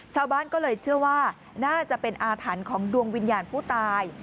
ชาวบ้านก็เลยเชื่อว่าน่าจะเป็นอาถรรพ์ของดวงวิญญาณผู้ตาย